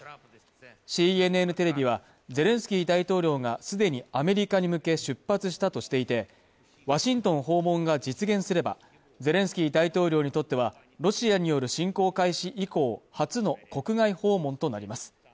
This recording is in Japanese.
ＣＮＮテレビはゼレンスキー大統領がすでにアメリカに向け出発したとしていてワシントン訪問が実現すればゼレンスキー大統領にとってはロシアによる侵攻開始以降初の国外訪問となります